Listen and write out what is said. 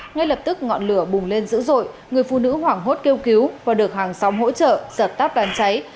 ngay lập tức ngọn lửa bùng lên dữ dội người phụ nữ hoảng hốt kêu cứu và được hàng xóm hỗ trợ giật tắt đàn cháy